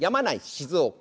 静岡